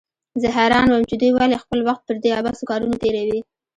زه حيران وم چې دوى ولې خپل وخت پر دې عبثو کارونو تېروي.